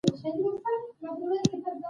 قیاسي سون په عربي کښي الهج النظري بولي.